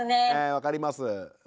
分かります。